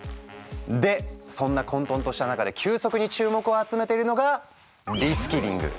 でそんな混とんとした中で急速に注目を集めているのがリスキリング。